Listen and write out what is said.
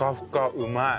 うまい。